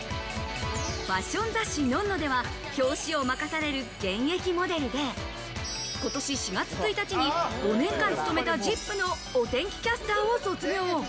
ファッション雑誌『ｎｏｎ−ｎｏ』では表紙を任される現役モデルで今年４月１日に５年間務めた『ＺＩＰ！』のお天気キャスターを卒業。